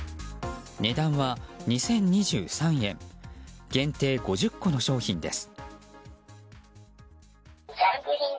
値段は２０２３円限定５０個の商品です。